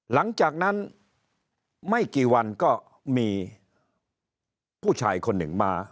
หลังจากนั้นไม่กี่วันก็มีผู้ชายคนหนึ่งมา